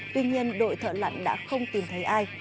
tuy nhiên đội thợ lặn đã không tìm thấy ai